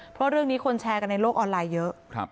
เพราะเรื่องนี้คนแชร์กันในโลกออนไลน์เยอะ